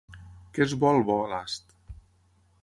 Que és bo el bou a l'ast!